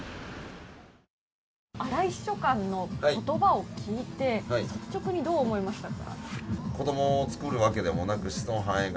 荒井秘書官の言葉を聞いて、率直にどう思いましたか？